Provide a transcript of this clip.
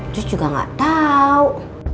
terus juga gak tau